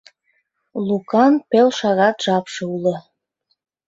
Лукан пел шагат жапше уло.